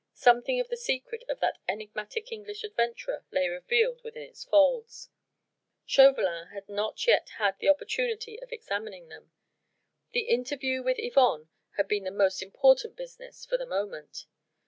Something of the secret of that enigmatic English adventurer lay revealed within its folds. Chauvelin had not yet had the opportunity of examining them: the interview with Yvonne had been the most important business for the moment.